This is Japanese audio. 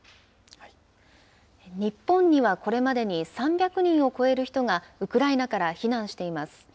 日本にはこれまでに３００人を超える人が、ウクライナから避難しています。